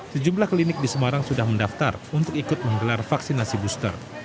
sejumlah klinik di semarang sudah mendaftar untuk ikut menggelar vaksinasi booster